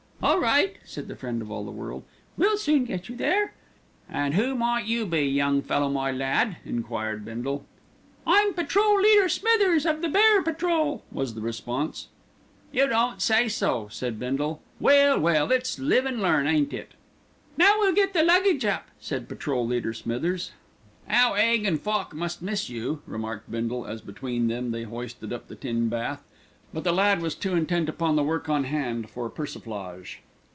"All right!" said the friend of all the world. "We'll soon get you there." "An' who might you be, young fellow my lad?" enquired Bindle. "I'm Patrol leader Smithers of the Bear Patrol," was the response. "You don't say so," said Bindle. "Well, well, it's live an' learn, ain't it?" "Now we'll get the luggage up," said Patrol leader Smithers. "'Ow 'Aig an' Foch must miss you," remarked Bindle as between them they hoisted up the tin bath; but the lad was too intent upon the work on hand for persiflage.